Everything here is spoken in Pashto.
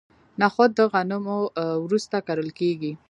نخود د غنمو وروسته کرل کیږي.